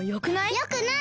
よくない！